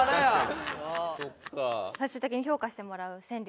最終的に評価してもらう川柳